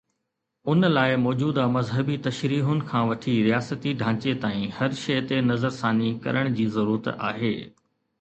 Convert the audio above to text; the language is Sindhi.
ان لاءِ موجوده مذهبي تشريحن کان وٺي رياستي ڍانچي تائين هر شيءِ تي نظرثاني ڪرڻ جي ضرورت آهي.